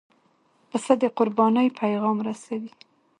پسه د قربانۍ پیغام رسوي.